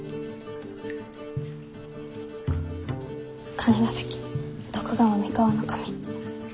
金ヶ崎徳川三河守。